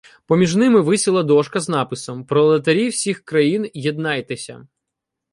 Поміж ними висіла дошка з написом: "Пролетарі всіх країн, єднайтеся.